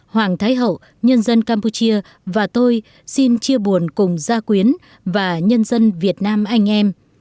hoàng thái hậu nhân dân campuchia và tôi xin chia buồn cùng gia quyến và nhân dân việt nam anh em